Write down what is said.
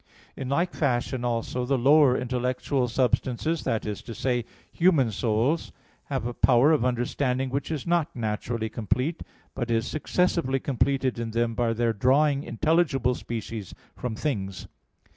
In like fashion also the lower intellectual substances that is to say, human souls have a power of understanding which is not naturally complete, but is successively completed in them by their drawing intelligible species from things.